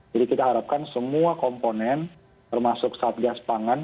jadi kita harapkan semua komponen termasuk saat gas pangan